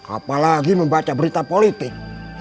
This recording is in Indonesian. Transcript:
apalagi membaca berita politik